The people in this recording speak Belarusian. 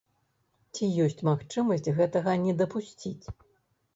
Ці ёсць магчымасць гэтага не дапусціць?